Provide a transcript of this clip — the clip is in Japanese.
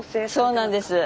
そうなんです。